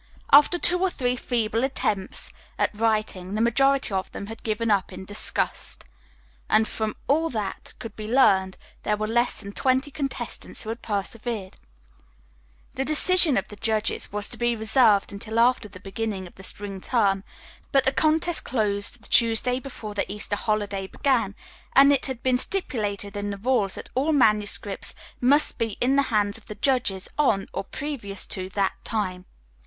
After two or three feeble attempts at writing, the majority of them had given up in disgust, and from all that could be learned there were less than twenty contestants who had persevered. The decision of the judges was to be reserved until after the beginning of the spring term, but the contest closed the Tuesday before the Easter holiday began, and it had been stipulated in the rules that all manuscripts must be in the hands of the judges on, or previous to, that time.